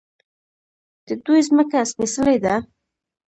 د دوی ځمکه سپیڅلې ده.